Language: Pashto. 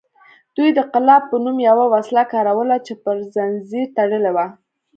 دوی د قلاب په نوم یوه وسله کاروله چې پر زنځیر تړلې وه